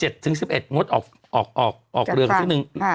๗ถึง๑๑งดออกเรือสักนิดนึง